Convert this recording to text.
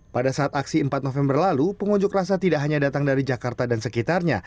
pada saat aksi empat november lalu pengunjuk rasa tidak hanya datang dari jakarta dan sekitarnya